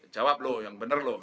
jawab loh yang bener loh